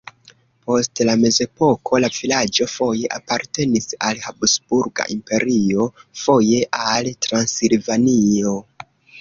Post la mezepoko la vilaĝo foje apartenis al Habsburga Imperio, foje al Transilvanio.